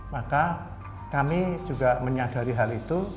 maka kami juga menyadari hal itu